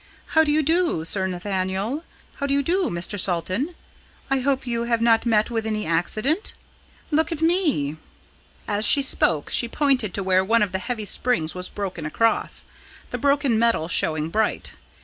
"How do you do, Sir Nathaniel? How do you do, Mr. Salton? I hope you have not met with any accident. Look at me!" As she spoke she pointed to where one of the heavy springs was broken across, the broken metal showing bright.